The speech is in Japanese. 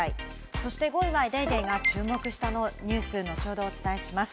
そして５位は『ＤａｙＤａｙ．』が注目したニュース、後ほどお伝えします。